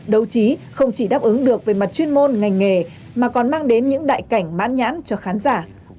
đấu trí không chỉ đáp ứng được về mặt chuyên môn ngành nghề mà còn mang đến những đại cảnh mãn nhãn cho khán giả